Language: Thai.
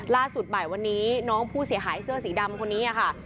ล่าสุดบ่ายวันนี้น้องผู้เสียหายเสื้อสีดำคนนี้ค่ะ